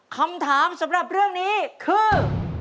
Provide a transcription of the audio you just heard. คำถามสำหรับเรื่องนี้คือ